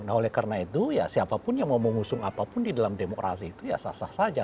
nah oleh karena itu ya siapapun yang mau mengusung apapun di dalam demokrasi itu ya sah sah saja